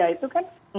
ya itu kan